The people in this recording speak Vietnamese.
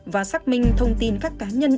và xác minh thông tin các cá nhân